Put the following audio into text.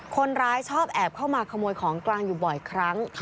คนร้ายชอบแอบเข้ามาขโมยของกลางอยู่บ่อยครั้ง